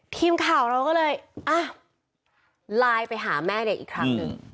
ทีมข่าวเราก็เลยอ่ะไลน์ไปหาแม่เด็กอีกครั้งหนึ่ง